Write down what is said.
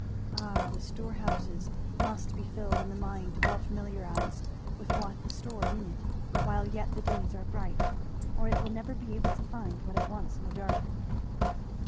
Ah! the storehouse must be filled and the mind well familiarized with what is stored in it while yet the days are bright, or it will never be able to find what it wants in the dark.